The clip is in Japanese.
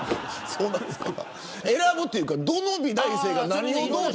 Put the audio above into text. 選ぶというか、どの美大生が何をどうとか。